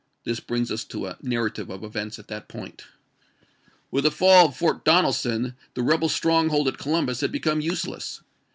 This brings us to a narrative of events at that point. With the fall of Fort Donelson the rebel strong hold at Columbus had become useless.